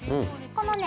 このね